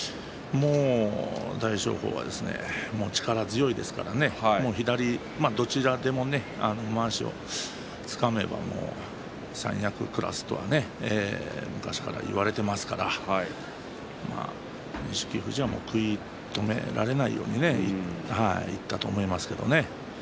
大翔鵬の方が力強いですから左どちらでもまわしをつかめば三役クラスと昔から言われていますから錦富士は食い止められないようにいったと思いますけどね。